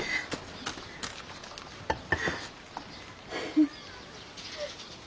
フフ。